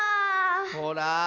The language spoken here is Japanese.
ほら。